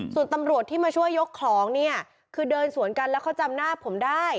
ส่วนตำรวจที่มาช่วยยกของเนี่ยคือเดินสวนกันแล้วเขาจำหน้าผมได้